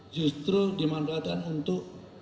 justru dimanfaatkan untuk